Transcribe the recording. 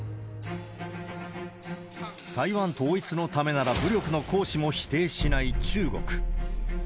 台湾統一のためなら武力の行使も否定しない中国。